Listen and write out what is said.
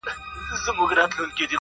د همت ږغ مو په کل جهان کي خپور وو!